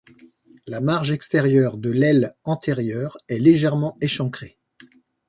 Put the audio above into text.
La marge extérieure de l'aile antérieure est légèrement échancrée.